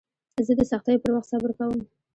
زه د سختیو پر وخت صبر کوم.